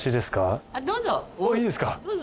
いいですか？